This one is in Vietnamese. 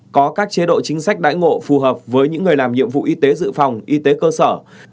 có các chế độ chính sách đãi ngộ phù hợp với những người làm nhiệm vụ y tế dự phòng y tế cơ sở